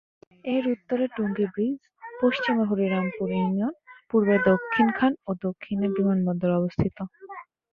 এর উত্তরে টঙ্গী ব্রীজ, পশ্চিমে হরিরামপুর ইউনিয়ন, পূর্বে দক্ষিণ খান ও দক্ষিণে বিমানবন্দর অবস্থিত।